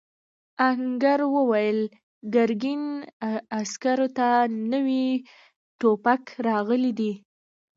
آهنګر وویل ګرګین عسکرو ته نوي ټوپک راغلی دی.